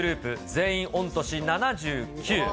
全員御年７９。